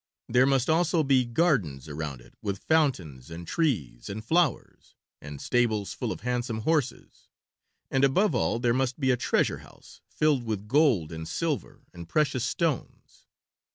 There must also be gardens around it with fountains and trees and flowers, and stables full of handsome horses, and above all there must be a treasure house filled with gold and silver and precious stones."